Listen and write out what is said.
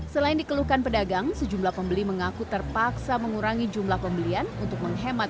selain dikeluhkan pedagang sejumlah pembeli mengaku terpaksa mengurangi jumlah pembelian untuk menghemat